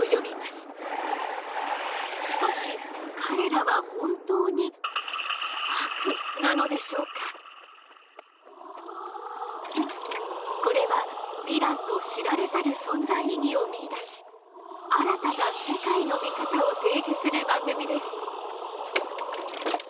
しかし彼らはこれはヴィランの知られざる存在意義を見いだし新たな世界の見方を提示する番組です。